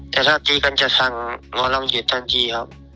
แต่ถ้าดีกันจะสั่งหมองเริ่มอยู่ท่านทีครับ